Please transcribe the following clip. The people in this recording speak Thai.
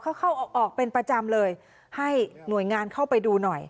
เขาเข้าออกออกเป็นประจำเลยให้หน่วยงานเข้าไปดูหน่อย